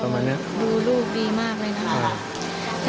ดูรูปดีมากเลยนะครับ